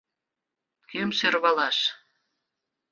Кӧм сӧрвалаш?